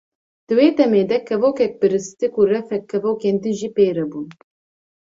Di wê demê de kevokek biristik û refek kevokên din jî pê re bûn.